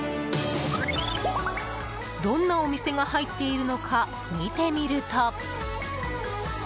どんなお店が入っているのか見てみると。